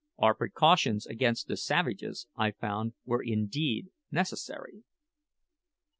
Our precautions against the savages, I found, were indeed necessary.